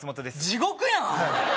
地獄やん！